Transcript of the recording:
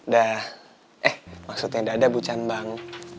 dah eh maksudnya dah ada bucan bang